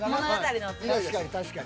確かに確かに。